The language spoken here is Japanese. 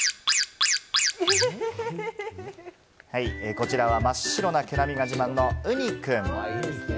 こちらは真っ白な毛並みが自慢のうにくん。